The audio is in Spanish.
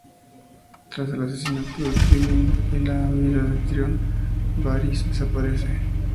Tras el asesinato de Tywin y la huida de Tyrion, Varys desaparece.